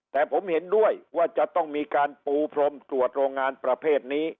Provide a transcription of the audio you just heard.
แต่ผมเห็นด้วยว่าจะต้องมีการปูพรมตรวจโรงงานประเภทนี้